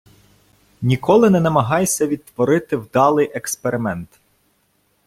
Ніколи не намагайся відтворити вдалий експеримент.